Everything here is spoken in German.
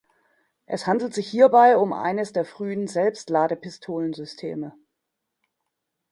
Es handelt sich hierbei um eines der frühen Selbstladepistolensysteme.